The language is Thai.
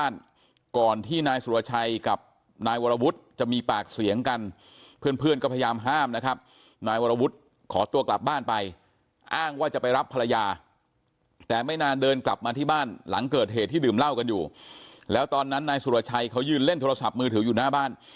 นายวรวุฒิขอตัวกลับบ้านไปอ้างว่าจะไปรับภรรยาแต่ไม่นานเดินกลับมาที่บ้านหลังเกิดเหตุที่ดื่มเหล้ากันอยู่แล้วตอนนั้นนายสุรชัยเขายืนเล่นโทรศัพท์มือถืออยู่หน้าบ้าน